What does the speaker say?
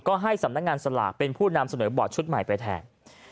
ก็ให้สำนักงานสลากเป็นผู้นำเสนอบอร์ดชุดใหม่ไปแทน